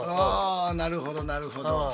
あなるほどなるほど。